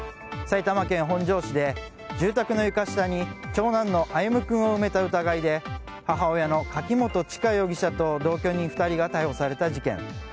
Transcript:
埼玉県本庄市で住宅の床下に長男の歩夢君を埋めた疑いで母親の柿本知香容疑者と同居人２人が逮捕された事件。